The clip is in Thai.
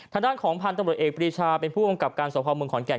ทางด้านของพันธุ์ตำรวจเอกปรีชาเป็นผู้กำกับการสอบภาวเมืองขอนแก่น